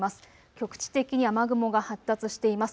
局地的に雨雲が発達しています。